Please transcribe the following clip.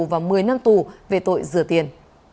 và một mươi năm tù về tội rửa tiền